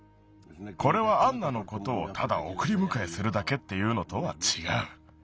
これはアンナのことをただおくりむかえするだけっていうのとはちがう。